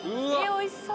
おいしそう。